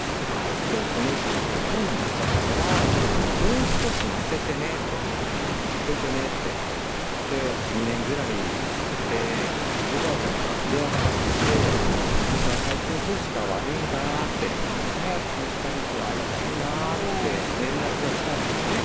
「この時期コロナになっちゃったからもう少し待っててね」って「待っててね」ってで２年ぐらいたっておばあちゃんから電話かかってきて「なんか最近調子が悪いんだ」って「早く２人と会いたいな」って連絡が来たんですね